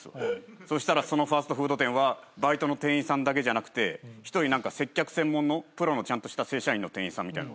そしたらそのファストフード店はバイトの店員さんだけじゃなくて１人何か接客専門のプロのちゃんとした正社員の店員さんみたいなのが１人いたんです。